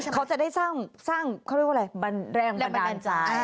ใช่เขาจะได้สร้างแบบบันดาลใจ